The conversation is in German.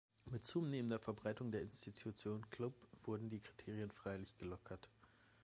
Mit zunehmender Verbreitung der Institution Club wurden die Kriterien freilich gelockert.